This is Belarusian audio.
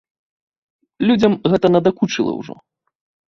Людзям гэта надакучыла ўжо.